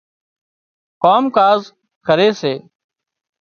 ڪام ڪاز ڪري سي